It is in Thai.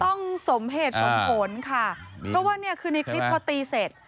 ต้องสมเหตุสมผลค่ะเพราะว่าเนี่ยคือในคลิปพอตีเสร็จ